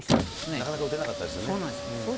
なかなか打てなかったですよね。